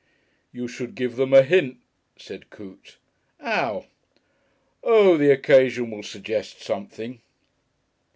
"You could give them a hint," said Coote. "'Ow?" "Oh! the occasion will suggest something."